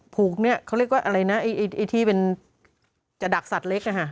พูกเนี่ยเขาเรียกว่าไอ้ที่เป็นจรดักสัตว์เล็กอ่ะฮะ